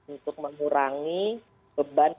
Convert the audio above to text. untuk mengurangi beban